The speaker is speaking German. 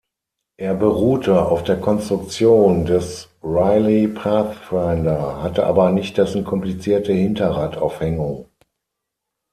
Er beruhte auf der Konstruktion des Riley Pathfinder, hatte aber nicht dessen komplizierte Hinterradaufhängung.